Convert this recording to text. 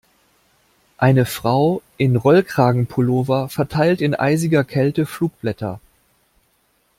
Eine Frau in Rollkragenpullover verteilt in eisiger Kälte Flugblätter.